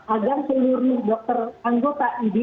agar seluruh dokter anggota idi